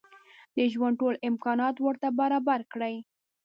د ژوند ټول امکانات ورته برابر کړي.